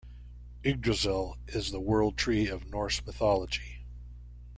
Yggdrasil is the World Tree of Norse mythology.